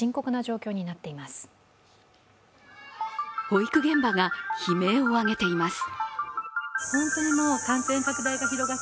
保育現場が悲鳴を上げています。